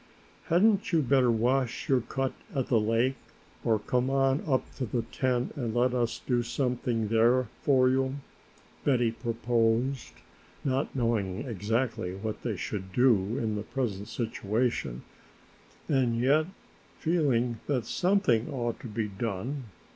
"Hadn't you better wash your cut at the lake or come on up to the tent and let us do something there for you," Betty proposed, not knowing exactly what they should do in the present situation and yet feeling that something ought to be done.